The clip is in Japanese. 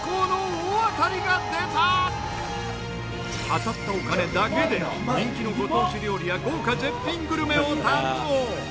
当たったお金だけで人気のご当地料理や豪華絶品グルメを堪能！